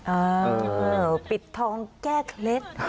เออปิดทองแก้เคล็ด